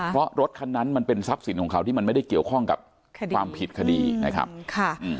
เพราะรถคันนั้นมันเป็นทรัพย์สินของเขาที่มันไม่ได้เกี่ยวข้องกับความผิดคดีนะครับค่ะอืม